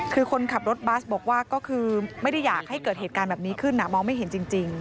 คือคนขับรถบัสบอกว่าก็คือไม่ได้อยากให้เกิดเหตุการณ์แบบนี้ขึ้นมองไม่เห็นจริง